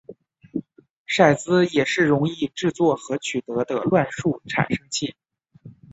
骰子也是容易制作和取得的乱数产生器。